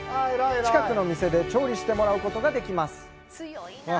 近くの店で調理してもらうことができます。